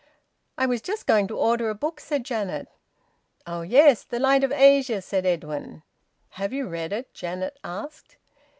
"I was just going to order a book," said Janet. "Oh yes! `The Light of Asia,'" said Edwin. "Have you read it?" Janet asked.